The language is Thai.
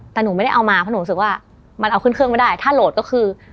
แต่หนูไม่ได้เอามาเพราะหนูรู้สึกว่ามันเอาขึ้นเครื่องไม่ได้ถ้าโหลดก็คือ